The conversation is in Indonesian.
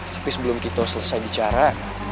tapi sebelum kita selesai bicara